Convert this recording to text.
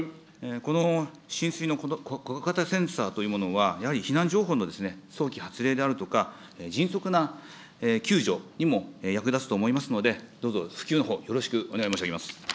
この浸水の小型センサーというものは、やはり避難情報の早期発令であるとか、迅速な救助にも役立つと思いますので、どうぞ普及のほう、よろしくお願い申し上げます。